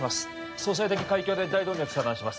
蘇生的開胸で大動脈遮断します